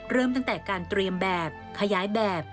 เริ่มตั้งแต่การเตรียมแบบขยายแบบ